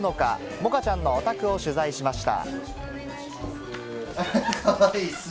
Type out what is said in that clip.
モカちゃんのお宅を取材しました。